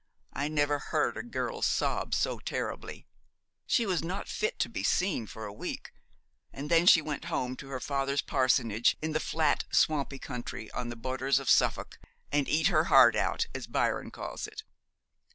I never heard a girl sob so terribly. She was not fit to be seen for a week, and then she went home to her father's parsonage in the flat swampy country on the borders of Suffolk, and eat her heart, as Byron calls it.